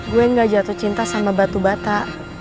gue gak jatuh cinta sama batu bata